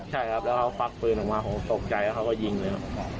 ใช่ครับแล้วเขาฟักปืนออกมาผมตกใจแล้วเขาก็ยิงเลยครับ